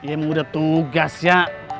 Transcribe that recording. im udah tugas ya